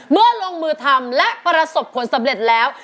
เมื่อลงมือทำและประสบผลสำเร็จแล้ว